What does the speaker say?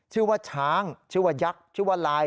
ชื่อว่าช้างชื่อว่ายักษ์ชื่อว่าลาย